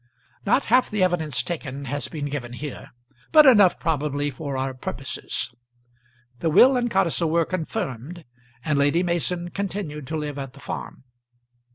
Not half the evidence taken has been given here, but enough probably for our purposes. The will and codicil were confirmed, and Lady Mason continued to live at the farm.